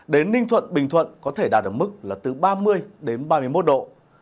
đến ninh thuận bình thuận có thể đạt được mức là từ ba mươi đến ba mươi một độ